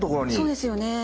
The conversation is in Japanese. そうですよね。